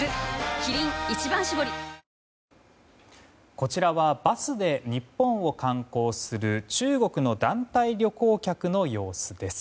こちらはバスで日本を観光する中国の団体旅行客の様子です。